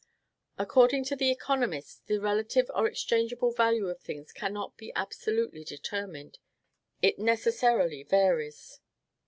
According to the economists, the relative or exchangeable value of things cannot be absolutely determined; it necessarily varies.